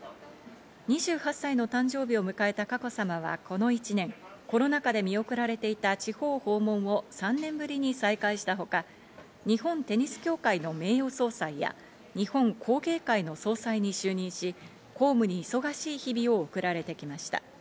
２８歳の誕生日を迎えた佳子さまは、この１年、コロナ禍で見送られていた地方訪問を３年ぶりに再開したほか、日本テニス協会の名誉総裁や、日本工芸会の総裁に就任し、公務に忙しい日々を送られてきました。